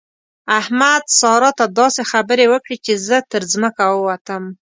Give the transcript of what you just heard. احمد؛ سارا ته داسې خبرې وکړې چې زه تر ځمکه ووتم.